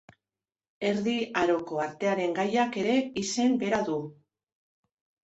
Erdi Haroko Artearen gaiak ere izen bera du.